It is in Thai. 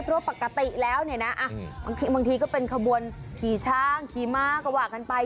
เพราะปกติแล้วเนี่ยนะบางทีก็เป็นขบวนขี่ช้างขี่ม้าก็ว่ากันไป